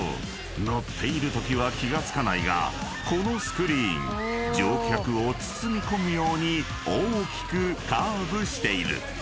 乗っているときは気が付かないがこのスクリーン乗客を包み込むように大きくカーブしている］